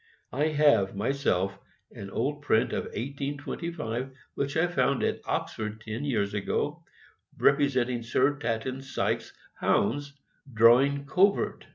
I have myself an old print of 1825, which I found at Oxford ten years ago, rep resenting Sir Tatton Sykes' Hounds drawing covert.